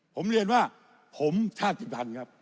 ผมเรียนว่าผมชาติธรรมครับ